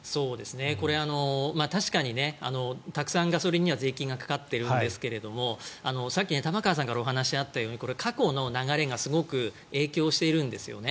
これ、確かにたくさんガソリンには税金がかかっているんですがさっき玉川さんからお話があったように過去の流れがすごく影響しているんですよね。